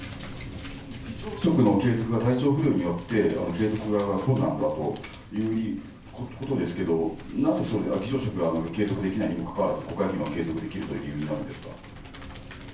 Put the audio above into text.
議長職の継続は、体調不良によって継続が困難だということですけど、なぜ、議長職は継続できないにもかかわらず、国会議員は継続できるということなんでしょうか。